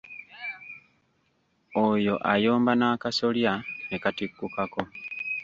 Oyo ayomba n'akasolya ne katikkukako.